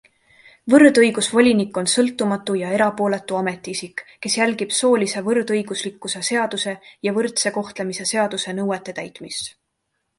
Võrdõigusvolinik on sõltumatu ja erapooletu ametiisik, kes jälgib soolise võrdõiguslikkuse seaduse ja võrdse kohtlemise seaduse nõuete täitmist.